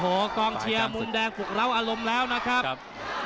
โอโหกองเชียร์มุนแดงขุกเล้ารมแล้วนะครับ